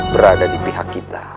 berada di pihak kita